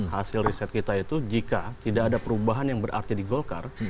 hasil riset kita itu jika tidak ada perubahan yang berarti di golkar